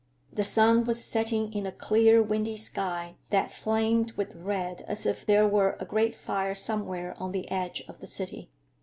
The sun was setting in a clear, windy sky, that flamed with red as if there were a great fire somewhere on the edge of the city.